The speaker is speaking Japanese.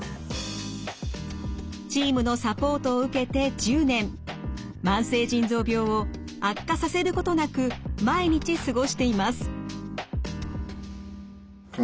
チームのサポートを受けて１０年慢性腎臓病を悪化させることなく毎日過ごしています。